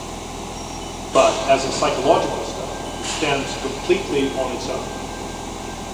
But as a psychological study it stands completely on its own.